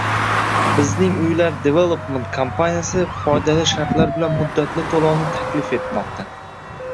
Bizning Uylar Development kompaniyasi foydali shartlar bilan muddatli to‘lovni taklif etmoqda